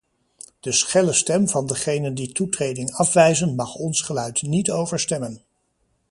De schelle stem van de degenen die toetreding afwijzen mag ons geluid niet overstemmen.